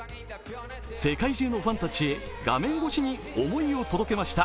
世界中のファンたちへ画面越しに思いを届けました